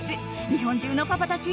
日本中のパパたち